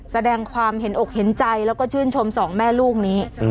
แสดงความเห็นอกเห็นใจแล้วก็ชื่นชมสองแม่ลูกนี้